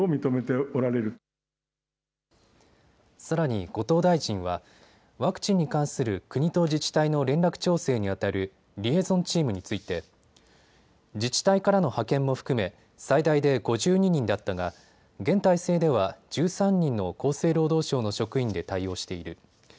さらに後藤大臣はワクチンに関する国と自治体の連絡調整にあたるリエゾンチームについて自治体からの派遣も含め最大で５２人だったが現体制では１３人の厚生労働省の職員で対応している。